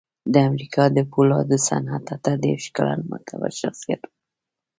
د امریکا د پولادو صنعت اته دېرش کلن معتبر شخصیت و